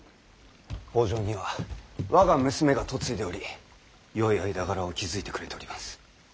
北条には我が娘が嫁いでおりよい間柄を築いてくれております。